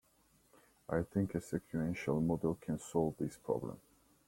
I think a sequential model can solve this problem.